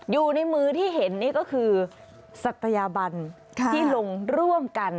อยู่ในมือที่เห็นนี่ก็คือศักยบันที่ลงร่วมกัน